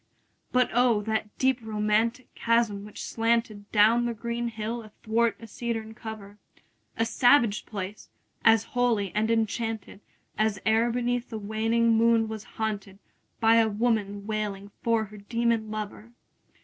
But O, that deep romantic chasm which slanted Down the green hill athwart a cedarn cover! A savage place! as holy and enchanted As e'er beneath a waning moon was haunted 15 By woman wailing for her demon lover!